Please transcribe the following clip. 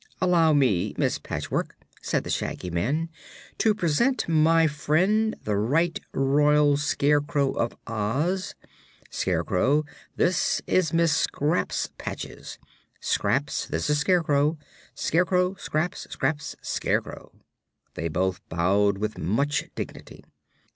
"Allow me, Miss Patchwork," said the Shaggy Man, "to present my friend, the Right Royal Scarecrow of Oz. Scarecrow, this is Miss Scraps Patches; Scraps, this is the Scarecrow. Scarecrow Scraps; Scraps Scarecrow." They both bowed with much dignity.